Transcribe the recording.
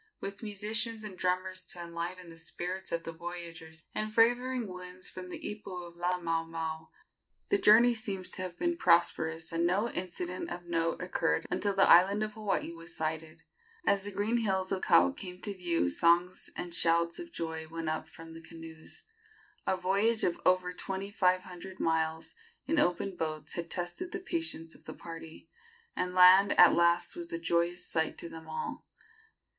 With musicians and drummers to enliven the spirits of the voyagers, and favoring winds from the ipu of Laamaomao, the journey seems to have been prosperous, and no incident of note occurred until the island of Hawaii was sighted. As the green hills of Kau came to view songs and shouts of joy went up from the canoes. A voyage of over twenty five hundred miles in open boats had tested the patience of the party, and land at last was a joyous sight to them all.